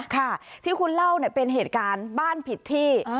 ค่ะที่คุณเล่าเนี่ยเป็นเหตุการณ์บ้านผิดที่